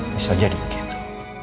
bisa jadi begitu